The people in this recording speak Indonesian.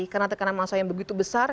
karena tekanan massa yang begitu besar